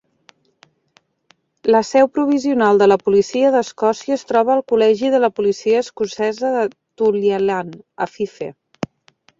La seu provisional de la policia d'Escòcia es troba al Col·legi de Policia Escocesa de Tulliallan, a Fife.